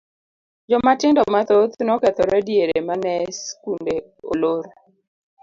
Jomatindo mathoth nokethore diere mane skunde olor.